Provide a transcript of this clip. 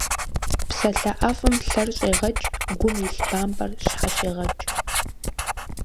Псалъэ ӏэфӏым лъэр щӏегъэкӏ, гум илъ бампӏэр щхьэщегъэкӏ.